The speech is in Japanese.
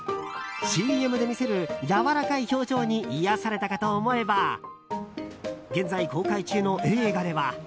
ＣＭで見せるやわらかい表情に癒やされたかと思えば現在公開中の映画では。